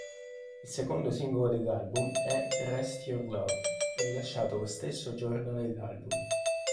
Il secondo singolo dell’album è "Rest Your Love", rilasciato lo stesso giorno dell’album.